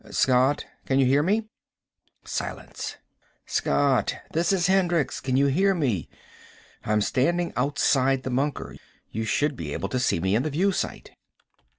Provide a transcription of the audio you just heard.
"Scott? Can you hear me?" Silence. "Scott! This is Hendricks. Can you hear me? I'm standing outside the bunker. You should be able to see me in the view sight."